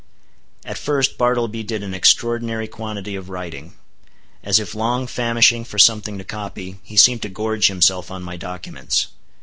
At first Bartleby did an extraordinary quantity of writing. As if long famishing for something to copy, he seemed to gorge himself on my documents.